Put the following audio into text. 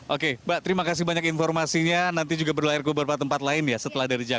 oke mbak terima kasih banyak informasinya nanti juga berlayar ke beberapa tempat lain ya setelah dari jakarta